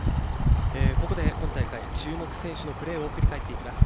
ここで今大会注目選手のプレーを振り返っていきます。